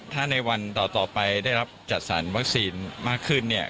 ถ้าในวันต่อไปได้รับจัดสรรวัคซีนมากขึ้นเนี่ย